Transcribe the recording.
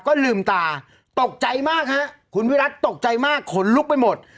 ก็ลืมตาตกใจมากฮะคุณวิรัติตกใจมากขนลุกไปหมด